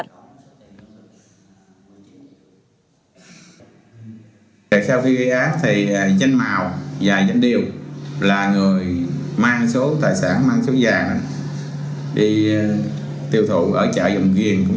điều tra viên gò khao lợi và điều đã thử nhận tin báo của bị hại công an huyện gò khao và phòng cảnh sát hình sự công an tỉnh kiên giang cử trinh sát hình sự công an tỉnh kiên giang